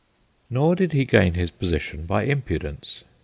Nor did he gain his position by impudence.